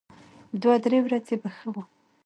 دوه درې ورځې به ښه و.